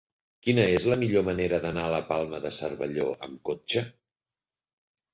Quina és la millor manera d'anar a la Palma de Cervelló amb cotxe?